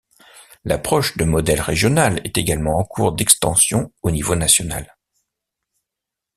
L'approche de modèle régional est également en cours d'extension au niveau national.